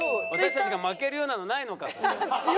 「私たちが負けるようなのないのか」と。